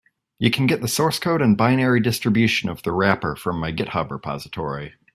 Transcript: You can get the source code and binary distribution of the wrapper from my github repository.